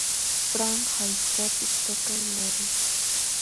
پړانګ ښایسته پوستکی لري.